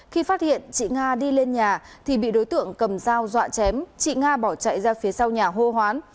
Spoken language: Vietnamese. khi phát hiện chị nga đi lên nhà thì bị đối tượng cầm dao dọa chém chị nga bỏ chạy ra phía sau nhà hô hoán